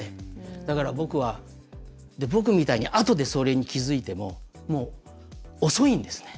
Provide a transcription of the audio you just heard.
だから、僕みたいにあとでそれに気付いてももう、遅いんですね。